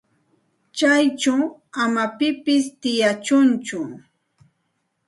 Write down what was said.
Chayćhu ama pipis tiyachunchu.